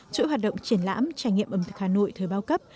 chuỗi hoạt động triển lãm trải nghiệm ẩm thực hà nội thời bao cấp